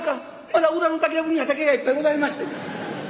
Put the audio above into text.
まだ裏の竹やぶには竹がいっぱいございまして。